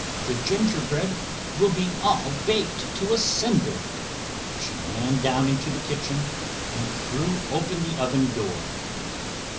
the gingerbread will be all baked to a cinder," she ran down into the kitchen, and threw open the oven door.